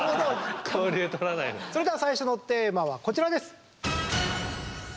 それでは最初のテーマはこちらです！